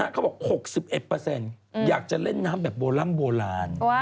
เขาบอก๖๑อยากจะเล่นน้ำแบบโบร่ำโบราณ